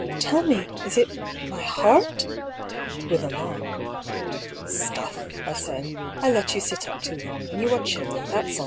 Tell me, is it my heart f " (with alarm). " Stuff !" I said. " I let you sit up too long, and you are chilly, that's all."